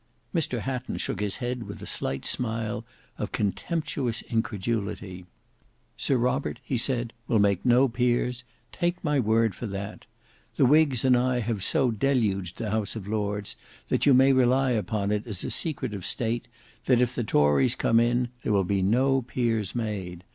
Mr Hatton shook his head with a slight smile of contemptuous incredulity. "Sir Robert," he said, "will make no peers; take my word for that. The whigs and I have so deluged the House of Lords, that you may rely upon it as a secret of state, that if the tories come in, there will be no peers made.